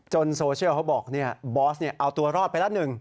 โซเชียลเขาบอกบอสเอาตัวรอดไปละ๑